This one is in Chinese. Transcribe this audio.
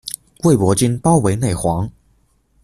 魏博军包围内黄。